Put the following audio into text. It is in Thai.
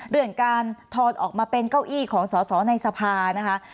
เรื่องการทอนออกมาเป็นเก้าอี้ของสอสอในสภานะคะ